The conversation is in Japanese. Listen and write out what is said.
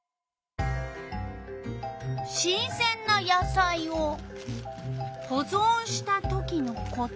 新せんな野菜をほぞんしたときのこと。